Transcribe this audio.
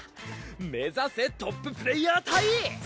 目指せトッププレイヤー帯！